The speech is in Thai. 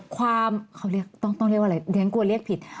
ความต้องเรียกว่าอะไรเดี๋ยวฉันกลัวเรียกผิด